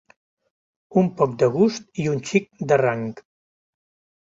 Un poc de gust i un xic de rang.